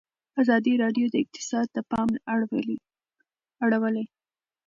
ازادي راډیو د اقتصاد ته پام اړولی.